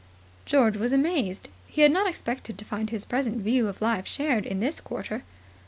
George was amazed. He had not expected to find his present view of life shared in this quarter.